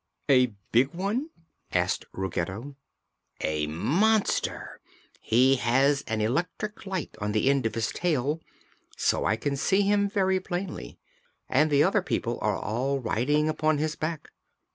"A big one?" asked Ruggedo. "A monster. He has an electric light on the end of his tail, so I can see him very plainly. And the other people are all riding upon his back."